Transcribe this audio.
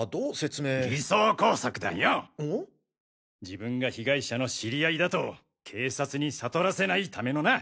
自分が被害者の知り合いだと警察に悟らせないためのな。